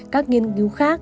các nghiên cứu khác